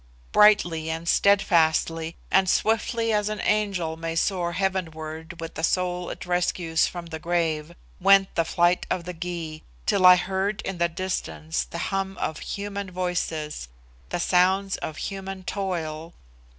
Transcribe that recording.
Brightly and steadfastly, and swiftly as an angel may soar heavenward with the soul it rescues from the grave, went the flight of the Gy, till I heard in the distance the hum of human voices, the sounds of human toil.